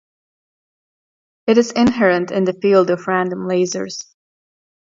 It is inherent in the field of random lasers.